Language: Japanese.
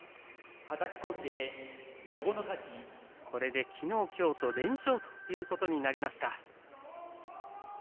これで、きのう、きょうと連勝ということになりました。